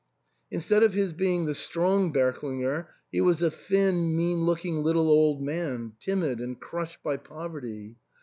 Instead of his being the strong Berklinger, he was a thin, mean looking little old man, timid and crushed by poverty.